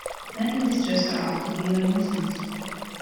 Men in distress are apt to be a nuisance.